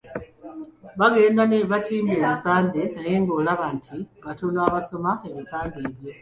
Bagenda ne batimba ebipande naye olaba nti batono abasoma ebipande ebyo,